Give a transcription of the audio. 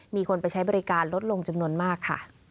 มีคนไปใช้บริการลดลงจำนวนมากค่ะ